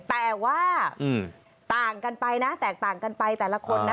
แต่ว่าแตกต่างกันไปแต่ละคน